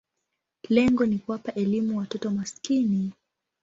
Lengo ni kuwapa elimu watoto maskini.